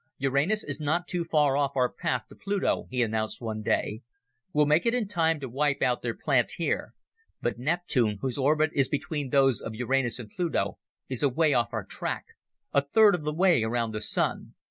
"Uranus is not too far off our path to Pluto," he announced one day. "We'll make it in time to wipe out their plant there. But Neptune, whose orbit is between those of Uranus and Pluto, is away off our track, a third of the way around the Sun.